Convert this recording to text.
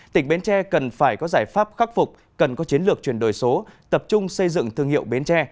tỉnh bến tre cần phải có giải pháp khắc phục cần có chiến lược chuyển đổi số tập trung xây dựng thương hiệu bến tre